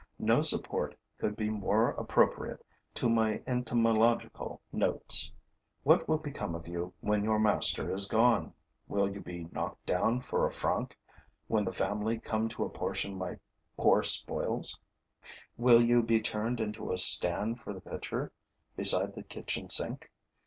No support could be more appropriate to my entomological notes. What will become of you when your master is gone? Will you be knocked down for a franc, when the family come to apportion my poor spoils? Will you be turned into a stand for the pitcher beside the kitchen sink?